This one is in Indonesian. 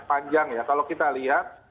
panjang ya kalau kita lihat